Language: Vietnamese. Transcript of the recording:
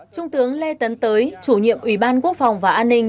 trung tướng lê tấn tới chủ nhiệm ủy ban quốc phòng và an ninh